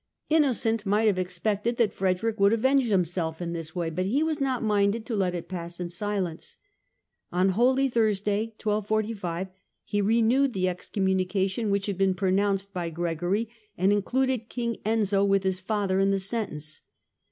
Innocent might have expected that Frederick would avenge himself in this way, but he was not minded to let it pass in silence. On Holy Thursday, 1245, he re newed the excommunication which had been pronounced by Gregory and included King Enzio with his father in the sentence.